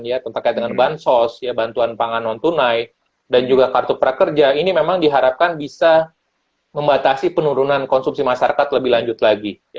ya terkait dengan bansos bantuan pangan non tunai dan juga kartu prakerja ini memang diharapkan bisa membatasi penurunan konsumsi masyarakat lebih lanjut lagi